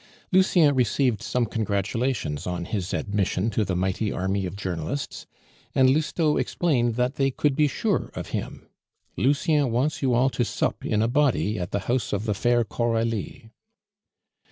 Lucien received some congratulations on his admission to the mighty army of journalists, and Lousteau explained that they could be sure of him. "Lucien wants you all to sup in a body at the house of the fair Coralie."